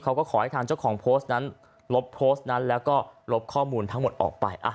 ขอให้ทางเจ้าของโพสต์นั้นลบโพสต์นั้นแล้วก็ลบข้อมูลทั้งหมดออกไป